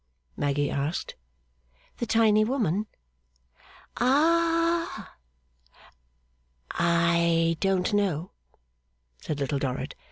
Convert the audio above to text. Maggy asked. 'The tiny woman?' 'Ah!' 'I don't know,' said Little Dorrit.